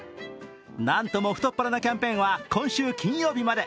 なんとも太っ腹なキャンペーンは今週金曜日まで。